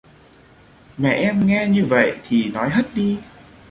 Mẹ em nghe như vậy thì nói hất đi